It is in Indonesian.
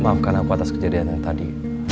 maafkan aku atas kejadian yang tadi